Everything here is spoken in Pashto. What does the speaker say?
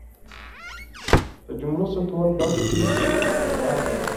د جملو ثبتول بس کړئ اوس یې واورئ